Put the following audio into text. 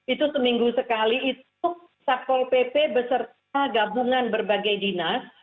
itu seminggu sekali itu satpol pp beserta gabungan berbagai dinas